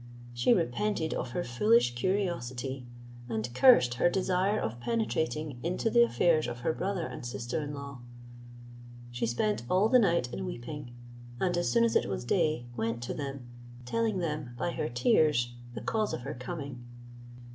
She repented of her foolish curiosity, and cursed her desire of penetrating into the affairs of her brother and sister in law. She spent all the night in weeping; and as soon as it was day, went to them, telling them, by her tears, the cause of her coming.